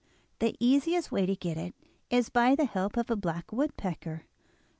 The easiest way to get it is by the help of a black woodpecker.